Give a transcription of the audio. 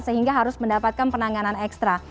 sehingga harus mendapatkan penanganan ekstra